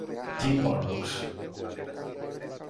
Tim Burroughs